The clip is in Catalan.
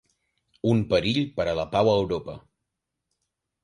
Un perill per a la pau a Europa.